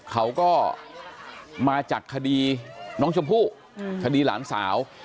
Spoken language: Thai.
เขาก็มาจากคดีน้องชมพู่คดีหลานสาว